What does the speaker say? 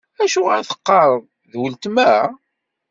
Acuɣer i teqqareḍ: D weltma?